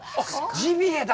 ジビエだ！